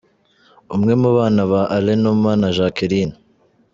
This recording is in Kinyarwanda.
Umwe mu bana ba Alain Numa na Jacqueline.